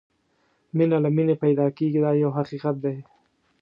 مینه له مینې پیدا کېږي دا یو حقیقت دی.